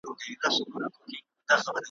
د فقي او الهي کلام